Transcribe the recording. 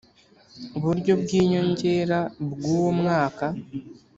uburyo bw inyongera bw uwo mwaka